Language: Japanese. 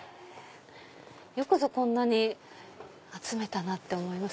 よくぞこんなに集めたなって思います。